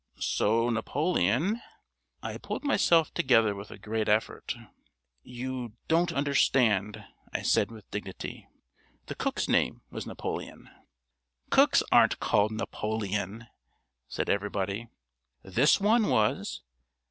"So Napoleon " I pulled myself together with a great effort. "You don't understand," I said with dignity. "The cook's name was Napoleon." "Cooks aren't called Napoleon," said everybody. "This one was.